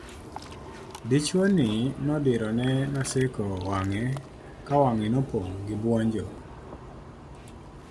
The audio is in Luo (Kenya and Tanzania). dichuo ni nodiro ne Naseko wang'e ka wang'e nopong' gi buonjo